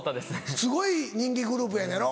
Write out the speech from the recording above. すごい人気グループやのやろ？